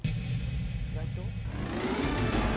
意外と。